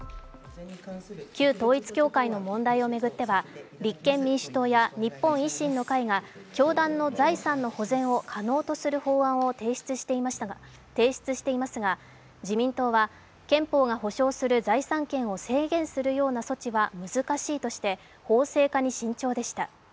旧統一教会の問題を巡っては立憲民主党や日本維新の会が教団の財産の保全を可能とする法案を提出していましたが自民党は憲法が保障する財産権を制限するような措置は難しいとして法制化に慎重でした。